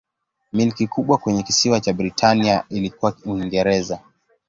Milki kubwa kwenye kisiwa cha Britania ilikuwa Uingereza.